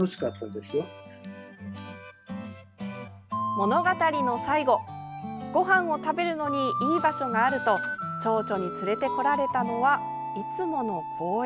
物語の最後ごはんを食べるのにいい場所があるとちょうちょに連れてこられたのはいつもの公園。